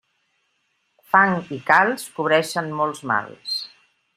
Fang i calç cobreixen molts mals.